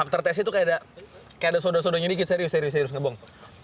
setelah tes itu kayak ada sodanya sedikit serius serius ngebong